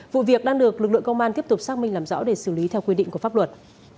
vụ việc đang được lực lượng công an tiếp tục xác minh làm rõ để xử lý theo quy định của pháp luật